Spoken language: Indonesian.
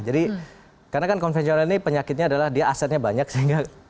jadi karena konvensional ini penyakitnya adalah dia asetnya banyak sehingga